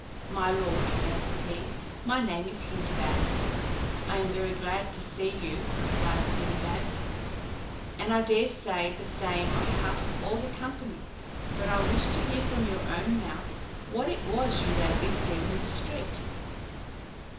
"My lord," answered he, "my name is Hindbad." "I am very glad to see you," replied Sinbad; "and I daresay the same on behalf of all the company: but I wish to hear from your own mouth what it was you lately said in the street."